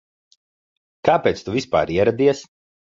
Kāpēc tu vispār ieradies?